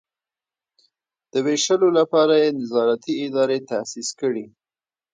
د ویشلو لپاره یې نظارتي ادارې تاسیس کړي.